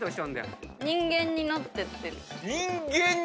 「人間になってってる」